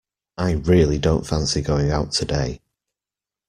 I really don't fancy going out today.